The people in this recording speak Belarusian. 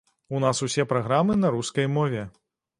У нас усе праграмы на рускай мове.